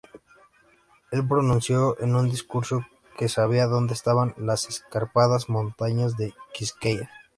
Él pronunció en un discurso que sabía dónde estaban "las escarpadas montañas de Quisqueya".